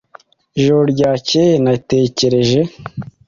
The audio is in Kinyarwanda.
Ijoro ryakeye natekereje.